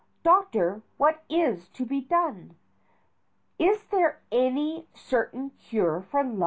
Doctor, what is to be done ? Is there any certain cure for love?